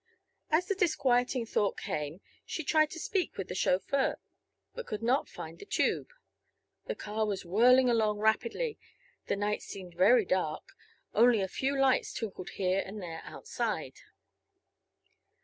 As the disquieting thought came she tried to speak with the chauffeur, but could not find the tube. The car was whirling along rapidly; the night seemed very dark, only a few lights twinkled here and there outside.